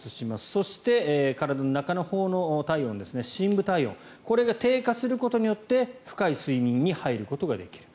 そして、体の中のほうの体温深部体温が低下することによって深い睡眠に入ることができる。